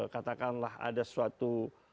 katakanlah ada suatu